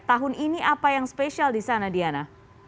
tahun ini apa yang spesial di sana diana